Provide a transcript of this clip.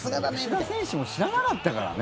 吉田選手も知らなかったからね。